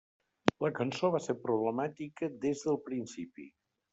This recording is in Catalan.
La cançó va ser problemàtica des del principi.